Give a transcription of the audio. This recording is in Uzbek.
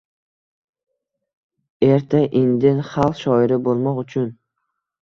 Erta-indin xalq shoiri boʼlmoq uchun